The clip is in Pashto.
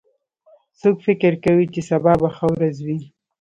څوک فکر کوي چې سبا به ښه ورځ وي